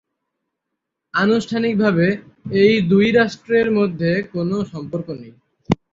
আনুষ্ঠানিকভাবে এ দুই রাষ্ট্রের মধ্যে কোনো সম্পর্ক নেই।